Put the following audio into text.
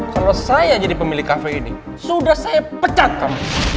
kalau saya jadi pemilik kafe ini sudah saya pecatkan